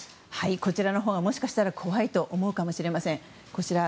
こちらのほうがもしかしたら怖いと思うかもしれません。